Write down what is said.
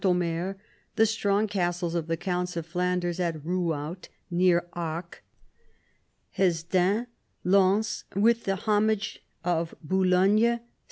Omer, the strong castles of the counts of Flanders at Euhout near Arques, Hesdin, Lens, with the homage of Boulogne, S.